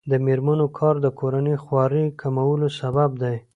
د میرمنو کار د کورنۍ خوارۍ کمولو سبب دی.